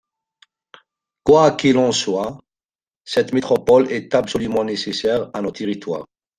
Quoi qu’il en soit, cette métropole est absolument nécessaire à nos territoires.